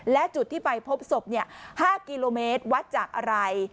และจุดที่ไปพบศพ๕กิโลเมตรวัดจากอะไร